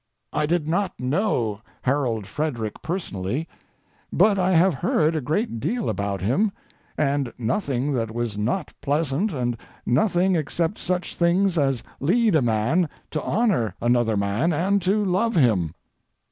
I did not know Harold Frederic personally, but I have heard a great deal about him, and nothing that was not pleasant and nothing except such things as lead a man to honor another man and to love him.